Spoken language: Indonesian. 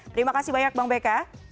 terima kasih banyak bang beka